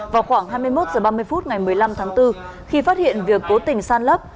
vào khoảng hai mươi một h ba mươi phút ngày một mươi năm tháng bốn khi phát hiện việc cố tình san lấp